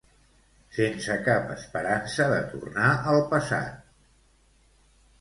Sense cap esperança de tornar al passat